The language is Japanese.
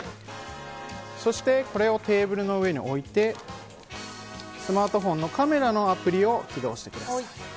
そしてこれをテーブルの上に置いて、スマートフォンのカメラのアプリを起動してください。